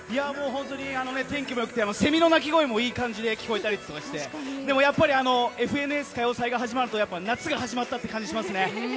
天気も良くてセミの鳴き声もいい感じに聞こえたりとかしてでも「ＦＮＳ歌謡祭」が始まると夏が始まったという感じしますね。